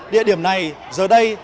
địa điểm này giờ đây